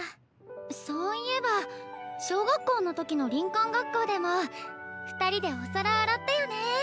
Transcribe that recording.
そういえば小学校の時の林間学校でも２人でお皿洗ったよね。